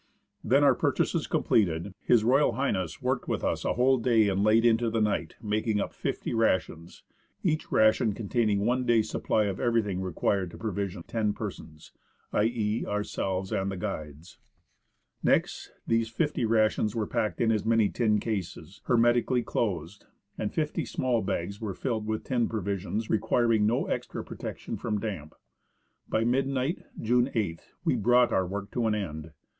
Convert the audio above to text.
Then, our purchases completed, H.R.H. worked with us a whole day and late into the night, making up fifty rations, each ration containing one day's supply of everything required to provision ten persons, i.e., ourselves and the guides. THE VALLEY OF SACRAMENTO, CALIKORNTA. Next, these fifty rations were packed in as many tin cases, hermetically closed ; and fifty small bags were filled with tinned provisions requiring no extra protection from damp. By midnight, June 8th, we brought our work to an end.